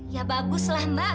ya baguslah mbak